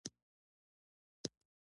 ایا ستاسو وجدان بیدار دی؟